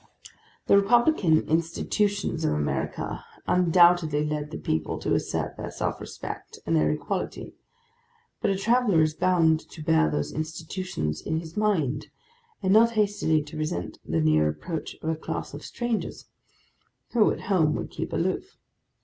The Republican Institutions of America undoubtedly lead the people to assert their self respect and their equality; but a traveller is bound to bear those Institutions in his mind, and not hastily to resent the near approach of a class of strangers, who, at home, would keep aloof.